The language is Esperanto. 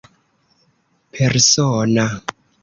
persona